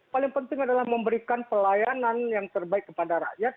paling penting adalah memberikan pelayanan yang terbaik kepada rakyat